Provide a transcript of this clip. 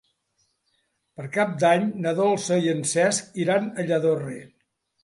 Per Cap d'Any na Dolça i en Cesc iran a Lladorre.